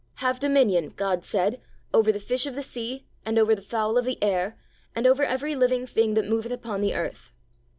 'Have dominion,' God said, 'over the fish of the sea, and over the fowl of the air, and over every living thing that moveth upon the earth.'